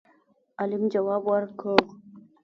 عالم جواب ورکړ